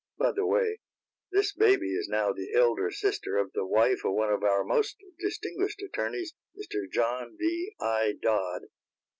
(By the way, this baby is now the elder sister of the wife of one of our most distinguished attorneys, Mr. John V. I. Dodd.)